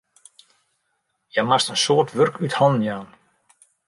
Hja moast in soad wurk út hannen jaan.